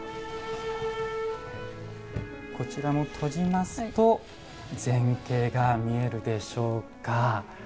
こちらも閉じますと全景が見えるでしょうか。